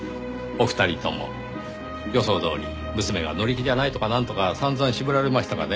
お二人とも予想どおり娘が乗り気じゃないとかなんとか散々渋られましたがね。